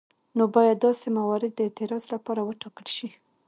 نو باید داسې موارد د اعتراض لپاره وټاکل شي.